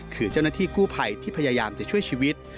คือเจ้าหน้าที่กู้ภัยที่พยายามจะช่วยชีวิต